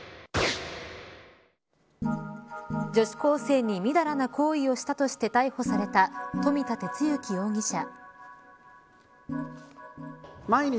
女子高生にみだらな行為をしたとして逮捕された富田哲之容疑者。